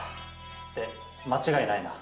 で間違いないな？